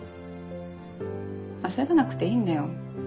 焦らなくていいんだよ。